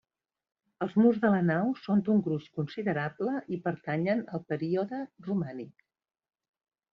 Els murs de la nau són d'un gruix considerable i pertanyen al període romànic.